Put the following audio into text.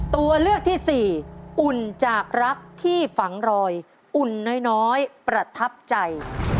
ตัวเลือกที่สี่อุ่นจากรักที่ฝังรอยอุ่นน้อยประทับใจ